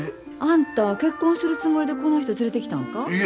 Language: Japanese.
あんた結婚するつもりでこの人連れてきたんか？